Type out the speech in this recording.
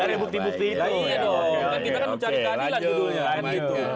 dari bukti bukti itu